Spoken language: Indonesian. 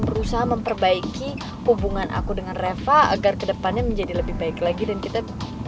berusaha memperbaiki hubungan aku dengan reva agar kedepannya menjadi lebih baik lagi dan kita